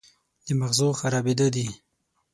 د مغزو خرابېده دي